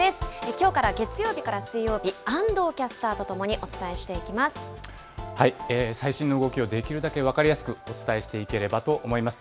きょうから月曜日から水曜日、安藤キャスターと共にお伝えしてい最新の動きをできるだけ分かりやすくお伝えしていければと思います。